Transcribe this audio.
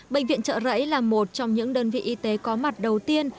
bệnh viện trợ rẫy là một trong những đơn vị y tế có mặt đầu tiên